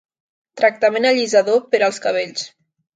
Tractament allisador per als cabells.